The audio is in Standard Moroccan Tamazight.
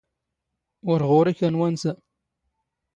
ⵓⵔ ⵖⵓⵔⵉ ⴽⴰ ⵏ ⵡⴰⵏⵙⴰ.